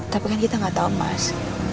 tapi kan kita gak tahu mas